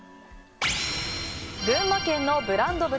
群馬県のブランド豚